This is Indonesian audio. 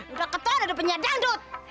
udah keton udah penyedang